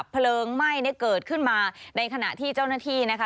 เพลิงไหม้เนี่ยเกิดขึ้นมาในขณะที่เจ้าหน้าที่นะคะ